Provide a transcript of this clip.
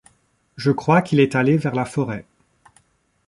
Je crois qu'il est allé vers la forêt.